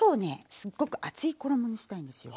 すっごく厚い衣にしたいんですよ。